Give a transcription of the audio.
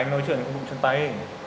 anh nói chuyện thì cũng đụng chân tay